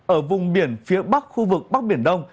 ở vùng biển phía bắc khu vực bắc biển đông